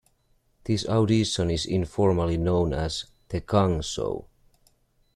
This audition is informally known as "The Gong Show".